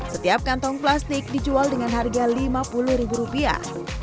setiap kantong plastik dijual dengan harga lima puluh ribu rupiah